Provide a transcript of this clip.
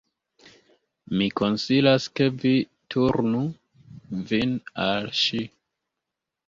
Mi konsilas ke vi turnu vin al ŝi."